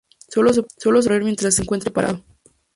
Sólo se puede correr mientras se encuentre parado.